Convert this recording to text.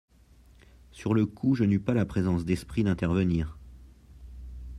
Sur le coup, je n’eus pas la présence d’esprit d’intervenir.